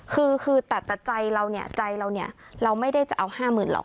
คือคือแต่แต่ใจเราเนี้ยใจเราเนี้ยเราไม่ได้จะเอาห้าหมื่นหรอก